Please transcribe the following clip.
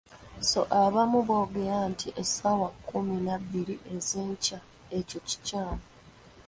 So abamu boogera nti "essaawa kkumi na bbiri ez'enkya", ekyo kikyamu.